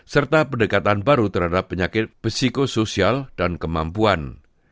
serta pendekatan baru terhadap penyakit psikosoial dan kemampuan